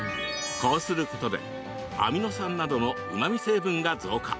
こうすることで、アミノ酸などのうまみ成分が増加。